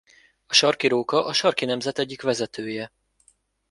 A sarki róka a Sarki Nemzet egyik vezetője.